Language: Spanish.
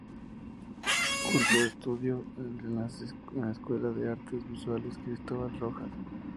Cursó estudios en la Escuela de Artes Visuales Cristóbal Rojas.